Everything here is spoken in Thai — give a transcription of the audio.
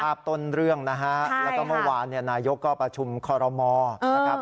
ต้นเรื่องนะฮะแล้วก็เมื่อวานเนี่ยนายกก็ประชุมคอรมอนะครับ